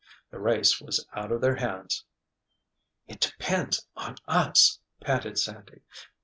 The race was out of their hands. "It depends on us!" panted Sandy.